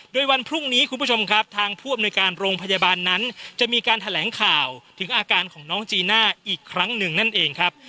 โดยวันพรุ่งนี้คุณผู้ชมครับทางผู้อำนวยการโรงพยาบาลนั้นจะมีการแถลงข่าวถึงอาการของน้องจีน่าอีกครั้งหนึ่งนั่นเองครับ